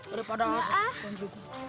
aduh padahal aku suka banget juga